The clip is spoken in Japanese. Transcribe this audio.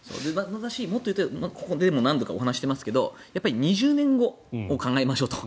もっと言うとここでも何度かお話ししてますが２０年後を考えましょうと。